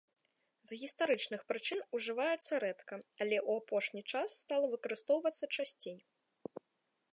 З гістарычных прычын ужываецца рэдка, але ў апошні час стала выкарыстоўвацца часцей.